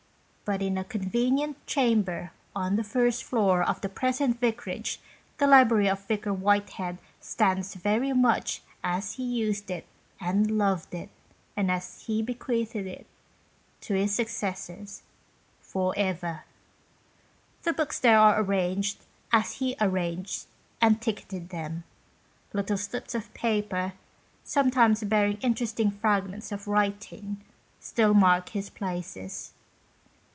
But in a convenient chamber on the first floor of the present vicarage the library of Vicar Whitehead stands very much as he uised it and loved it, and as he bequeathed it to ('his successors " for ever." The books there are arranged as he arranged and ticketed them. Little slips of paper, some times bearing interesting fragments of writing, still mark his places.